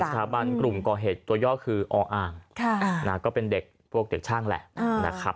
บันกลุ่มก่อเหตุตัวย่อคือออ่างก็เป็นเด็กพวกเด็กช่างแหละนะครับ